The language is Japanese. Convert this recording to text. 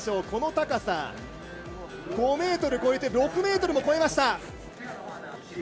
この高さ５ｍ越えて６ｍを越えました。